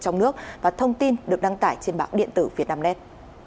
trong nước và thông tin được đăng tải trên bảng điện tử việt nam net